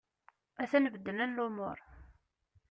A-t-an beddlen lumur.